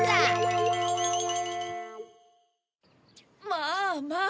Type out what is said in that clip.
まあまあ！